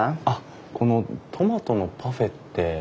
あっこのトマトのパフェって？